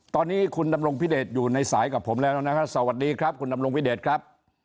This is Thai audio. ตอนนี้คุณดำรงพิเดชอยู่ในสายกับผมแล้วนะฮะสวัสดีครับคุณดำรงพิเดชครับ